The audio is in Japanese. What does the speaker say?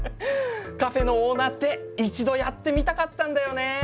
カフェのオーナーって一度やってみたかったんだよね。